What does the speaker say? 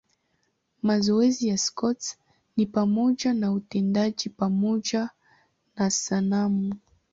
Mazoezi ya Scott ni pamoja na utendaji pamoja na sanamu.